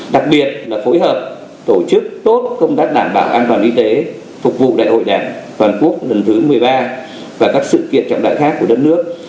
đặc biệt là phối hợp tổ chức tốt công tác đảm bảo an toàn y tế phục vụ đại hội đảng toàn quốc lần thứ một mươi ba và các sự kiện trọng đại khác của đất nước